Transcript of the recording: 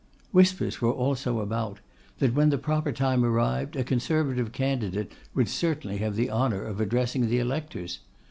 Whispers also were about, that when the proper time arrived, a Conservative candidate would certainly have the honour of addressing the electors.